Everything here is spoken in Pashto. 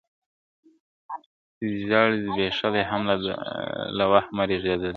زیړ زبېښلی هم له وهمه رېږدېدلی ..